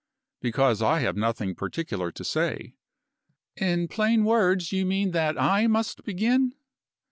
"Because I have nothing particular to say." "In plain words, you mean that I must begin?"